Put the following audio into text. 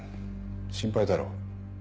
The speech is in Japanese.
心配だろう。